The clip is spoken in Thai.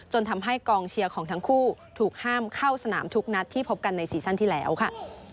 ทำให้กองเชียร์ของทั้งคู่ถูกห้ามเข้าสนามทุกนัดที่พบกันในซีซั่นที่แล้วค่ะ